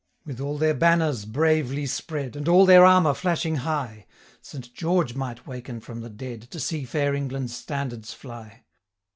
With all their banners bravely spread, And all their armour flashing high, Saint George might waken from the dead, To see fair England's standards fly.'